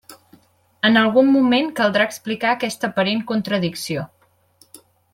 En algun moment caldrà explicar aquesta aparent contradicció.